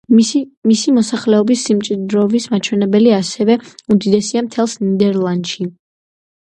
მისი მოსახლეობის სიმჭიდროვის მაჩვენებელი ასევე უდიდესია მთელს ნიდერლანდში.